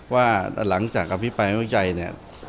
ว่าหลังจากกับพี่ไปร์ไม่ไว้ว่างใจเนี่ย